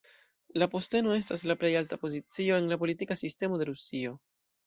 La posteno estas la plej alta pozicio en la politika sistemo de Rusio.